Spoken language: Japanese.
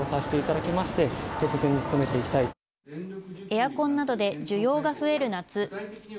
エアコンなどで需要が増える夏。